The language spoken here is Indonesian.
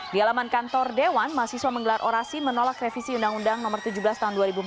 di alaman kantor dewan mahasiswa menggelar orasi menolak revisi undang undang no tujuh belas tahun dua ribu empat belas